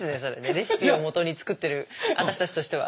レシピをもとに作ってる私たちとしては。